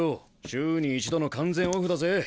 週に１度の完全オフだぜ。